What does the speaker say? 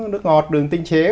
nước ngọt đường tinh chế